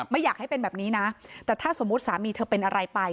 ไม่อยากให้เป็นแบบนี้นะแต่ถ้าสมมุติสามีเธอเป็นอะไรไป